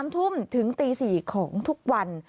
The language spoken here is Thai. ๓ทุ่มถึงตี๔ของทุกวัน